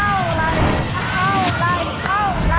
โอ้โห